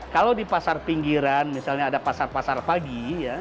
kalau di pasar pinggiran misalnya ada pasar pasar pagi